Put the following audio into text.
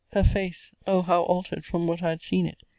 Her face [O how altered from what I had seen it!